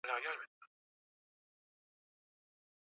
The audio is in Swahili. Dawa ya ndowa ni musamaha